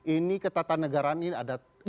ini ketatanegaraan ini ada